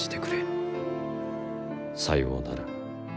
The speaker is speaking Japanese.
さようなら。